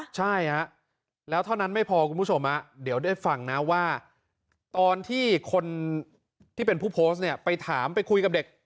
ใช่ฮะแล้วเท่านั้นไม่พอคุณผู้ชมเดี๋ยวได้ฟังนะว่าตอนที่คนที่เป็นผู้โพสต์เนี่ยไปถามไปคุยกับเด็ก